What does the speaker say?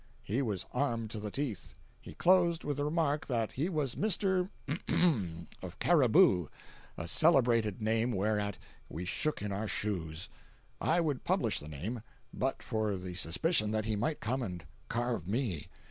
He was armed to the teeth. He closed with the remark that he was Mr.——of Cariboo—a celebrated name whereat we shook in our shoes. I would publish the name, but for the suspicion that he might come and carve me.